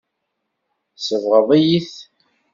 Tsebɣeḍ-iyi-t.